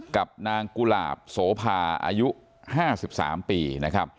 กับนางกุหลาบโสภาอายุ๕๓ปีนะครับ